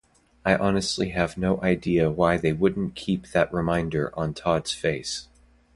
I honestly have no idea why they wouldn't keep that reminder on Todd's face.